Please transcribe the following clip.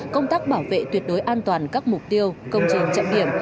công tác bảo vệ tuyệt đối an toàn các mục tiêu công trình trọng điểm